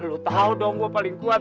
lu tau dong gue paling kuat nih kan